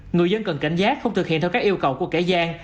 người dân cần cảnh giác không thực hiện theo các yêu cầu của kẻ gian